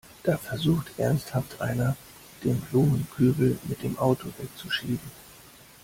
Da versucht ernsthaft einer, den Blumenkübel mit dem Auto wegzuschieben!